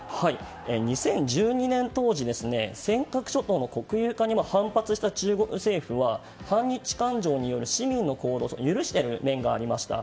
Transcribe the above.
２０１２年当時尖閣諸島の国有化に反発した中国政府は反日感情による市民の行動を許している面がありました。